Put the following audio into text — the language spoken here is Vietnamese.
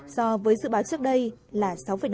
so với dự báo trước đây là sáu năm